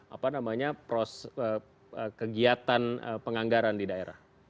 apa namanya pros kegiatan penganggaran di daerah